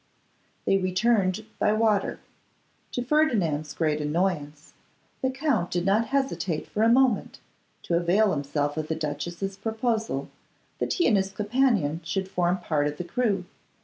They returned by water. To Ferdinand's great annoyance, the Count did not hesitate for a moment to avail himself of the duchess's proposal that he and his companion should form part of the crew.